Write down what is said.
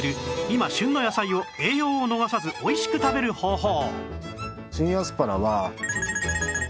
今旬の野菜を栄養を逃さずおいしく食べる方法